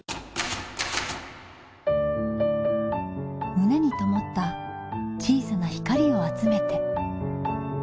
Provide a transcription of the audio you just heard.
胸にともった小さな光を集めて。